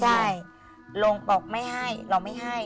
ใช่ลุงบอกไม่ให้เราไม่ให้